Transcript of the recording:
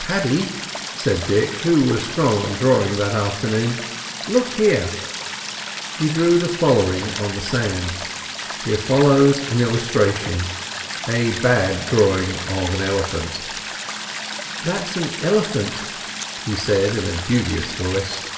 "Paddy," said Dick, who was strong on drawing that afternoon, "look here." He drew the following on the sand: [Illustration: A bad drawing of an elephant] "That's an elephant," he said in a dubious voice.